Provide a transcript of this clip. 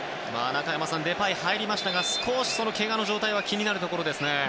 中山さん、デパイが入りましたが少しけがの状態は気になるところですね。